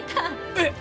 えっ！？